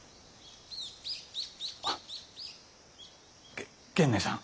げ源内さん。